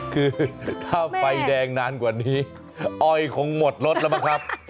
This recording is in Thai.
คือถ้าไฟแดงนานกว่านี้อ้อยคงหมดรถแล้วมั้งครับ